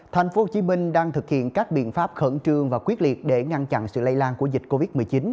tp hcm đang thực hiện các biện pháp khẩn trương và quyết liệt để ngăn chặn sự lây lan của dịch covid một mươi chín